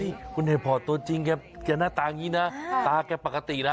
นี่คุณเหตุผ่านตัวจริงแกหน้าตาแบบนี้นะตาแกปกตินะ